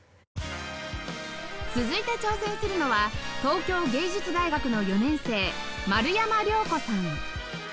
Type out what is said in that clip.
続いて挑戦するのは東京藝術大学の４年生丸山怜子さん